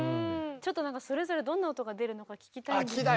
ちょっとそれぞれどんな音が出るのか聴きたいんですけど。